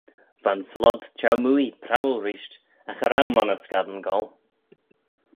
Va'n flod cheu-mooie prowal reesht, agh cha row monney scaddan goll.